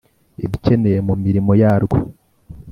ibikenewe mu mirimo yarwo